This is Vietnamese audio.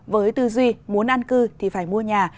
với tư duy muốn an cư thì phải mua nhà